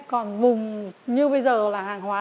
còn vùng như bây giờ là hàng hóa